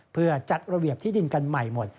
เพื่อจัดระเบียบที่ดินกันใหม่หมด